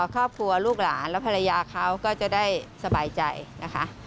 ครอบครัวลูกหลานและภรรยาเขาก็จะได้สบายใจนะคะ